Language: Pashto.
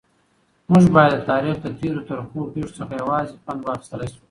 موږ باید د تاریخ له تېرو ترخو پیښو څخه یوازې پند واخیستلای شو.